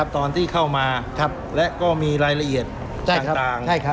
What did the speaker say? ตอนที่เข้ามาและก็มีรายละเอียดต่าง